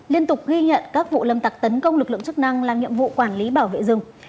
liên tục ghi nhận các vụ lâm tặc tấn công lực lượng chức năng làm nhiệm vụ quản lý bảo vệ rừng